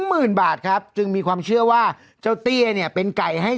หมื่นบาทครับจึงมีความเชื่อว่าเจ้าเตี้ยเนี่ยเป็นไก่ให้